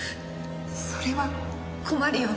それは困るよね。